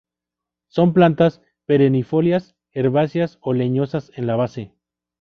Son plantas perennifolias herbáceas o leñosas en la base.